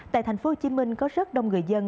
tại tp hcm có rất đông người dân